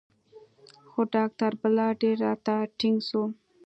خو ډاکتر بلال ډېر راته ټينګ سو.